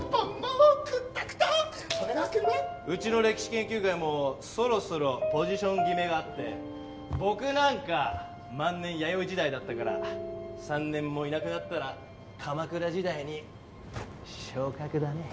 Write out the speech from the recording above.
うちの歴史研究会もそろそろポジション決めがあって僕なんか万年弥生時代だったから３年もいなくなったら鎌倉時代に昇格だね。